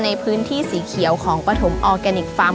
ในพื้นที่สีเขียวของปฐมออร์แกนิคฟาร์ม